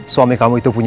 suami kamu itu bukannya